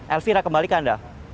elvira kembalikan anda